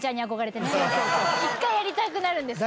一回やりたくなるんですよ。